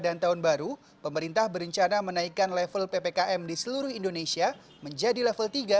dan tahun baru pemerintah berencana menaikkan level ppkm di seluruh indonesia menjadi level